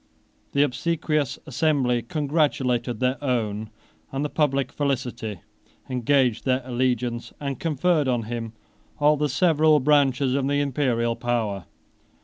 The obsequious assembly congratulated their own and the public felicity; engaged their allegiance, and conferred on him all the several branches of the Imperial power.